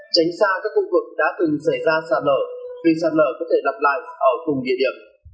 tránh xa các khu vực đã từng xảy ra sạt lở vì sạt lở có thể lặp lại ở cùng địa điểm